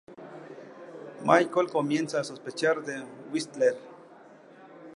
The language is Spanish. Michael comienza a sospechar de Whistler.